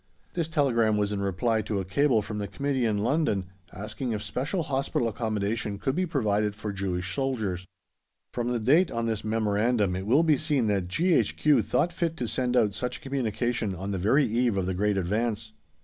This telegram was in reply to a cable from the Committee in London asking if special hospital accommodation could be provided for Jewish soldiers. From the date on this memorandum it will be seen that G.H.Q. thought fit to send out such a communication on the very eve of the great advance.